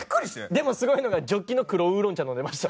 でもすごいのがジョッキの黒ウーロン茶飲んでました。